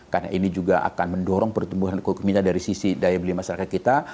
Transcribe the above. karena ini juga akan mendorong pertumbuhan ekonomi kita dari sisi daya beli masyarakat kita